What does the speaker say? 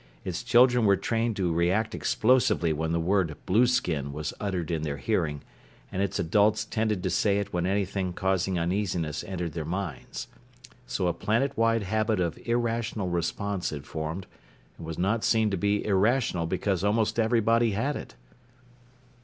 Its children were trained to react explosively when the word blueskin was uttered in their hearing, and its adults tended to say it when anything causing uneasiness entered their minds. So a planet wide habit of irrational response had formed and was not seen to be irrational because almost everybody had it.